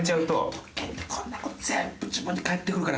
こんな事全部自分に返ってくるから。